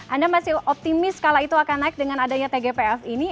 anda masih optimis skala itu akan naik dengan adanya tgpf ini